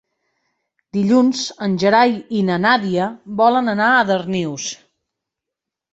Dilluns en Gerai i na Nàdia volen anar a Darnius.